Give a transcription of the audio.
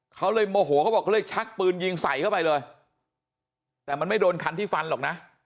เขาเลยโมโหเขาบอกเขาเลยชักปืนยิงใส่เข้าไปเลยแต่มันไม่โดนคันที่ฟันหรอกนะ